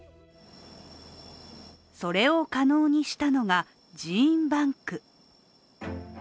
それを可能にしたのが、ジーンバンク。